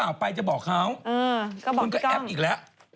ไม่เห็นแหละ